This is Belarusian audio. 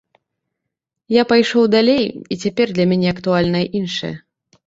Я пайшоў далей і цяпер для мяне актуальнае іншае.